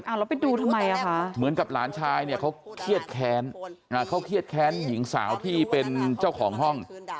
แล้วไปดูทำไมอ่ะคะเหมือนกับหลานชายเนี่ยเขาเครียดแค้นเขาเครียดแค้นหญิงสาวที่เป็นเจ้าของห้อง